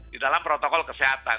di dalam protokol kesehatan